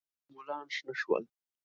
ګلان شنه شول.